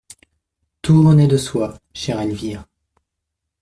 Tout renaît de soi, chère Elvire.